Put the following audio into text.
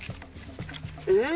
えっ？